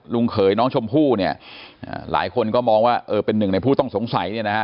เขยน้องชมพู่เนี่ยหลายคนก็มองว่าเออเป็นหนึ่งในผู้ต้องสงสัยเนี่ยนะฮะ